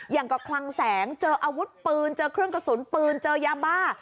อย่างกับคลังแสงเจออาวุธปืนเจอเครื่องกระสุนปืนเจอยาบ้า